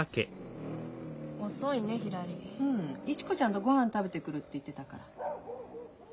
うん市子ちゃんとごはん食べてくるって言ってたから。